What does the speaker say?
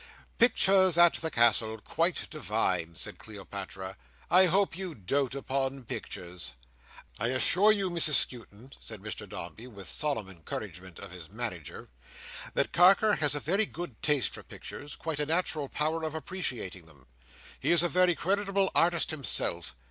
"Pictures at the Castle, quite divine!" said Cleopatra. "I hope you dote upon pictures?" "I assure you, Mrs Skewton," said Mr Dombey, with solemn encouragement of his Manager, "that Carker has a very good taste for pictures; quite a natural power of appreciating them. He is a very creditable artist himself.